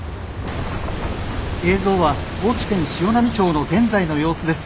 「映像は高知県潮波町の現在の様子です。